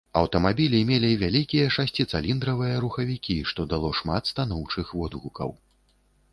Аўтамабілі мелі вялікія шасціцыліндравыя рухавікі, што дало шмат станоўчых водгукаў.